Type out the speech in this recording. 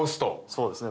そうですね。